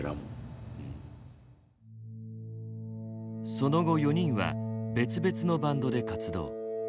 その後４人は別々のバンドで活動。